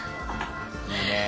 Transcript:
いいねえ。